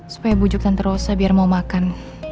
supaya bujuk tante rosa biar mau makan